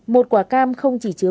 một quả cam không chỉ chứa